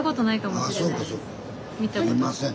すいません。